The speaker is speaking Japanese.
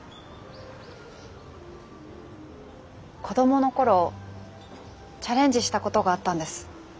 子供の頃チャレンジしたことがあったんです。